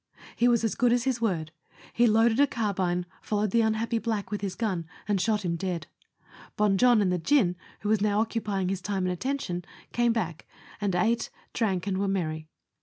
He was as good as his word. He loaded a carbine, followed the unhappy black with his gun, and shot him dead. Bon Jon and the gin, who was now occupying his time and attention, <jame back, and eat, drank, and were merry.